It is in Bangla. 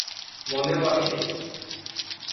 মনেও আসে নি!